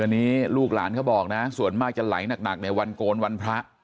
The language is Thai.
นี้ลูกหลานก็บอกนะส่วนมากจะไหลหนักเนี่ยวันโกรณ์วันพระ